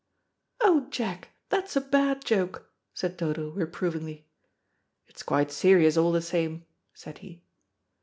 "Oh, Jack, that's a bad joke," said Dodo, reprovingly. "It's quite serious all the same," said he.